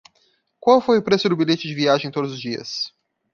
Qual foi o preço do bilhete de viagem todos os dias?